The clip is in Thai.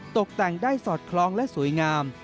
ตกแต่งได้สอดคล้องและสวยงาม